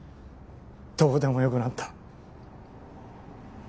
どうでもよくなった。